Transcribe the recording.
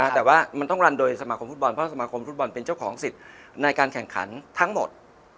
แต่ว่ามันต้องรันโดยสมาคมฟุตบอลเพราะสมาคมฟุตบอลเป็นเจ้าของสิทธิ์ในการแข่งขันทั้งหมด